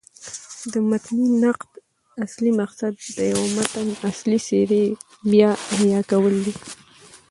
د متني نقد اصلي مقصد د یوه متن اصلي څېرې بيا احیا کول دي.